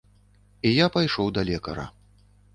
І я пайшоў да лекара.